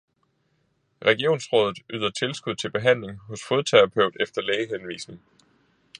Regionsrådet yder tilskud til behandling hos fodterapeut efter lægehenvisning